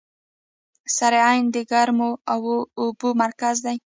سرعین د ګرمو اوبو مرکز دی.